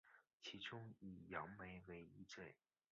其中以杨梅为一最。